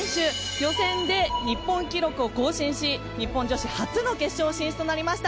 予選で日本記録を更新し日本女子初の決勝進出となりました。